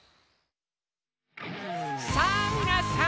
さぁみなさん！